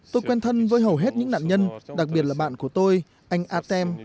tôi quen thân với hầu hết những nạn nhân đặc biệt là bạn của tôi anh atem